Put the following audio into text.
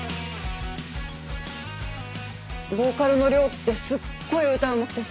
ボーカルのＲＹＯってすっごい歌うまくてさ。